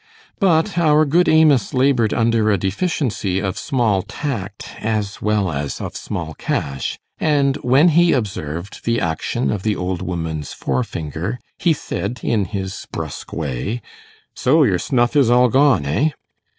But our good Amos laboured under a deficiency of small tact as well as of small cash; and when he observed the action of the old woman's forefinger, he said, in his brusque way, 'So your snuff is all gone, eh?